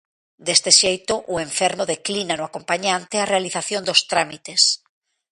Deste xeito, o enfermo declina no acompañante a realización dos trámites.